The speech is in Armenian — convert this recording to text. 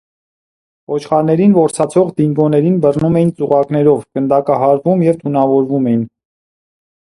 Ոչխարներին որսացող դինգոներին բռնում էին ծուղակներով, գնդակահարվում և թունավորվում էին։